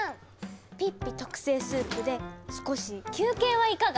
ピッピ特製スープで少し休憩はいかが？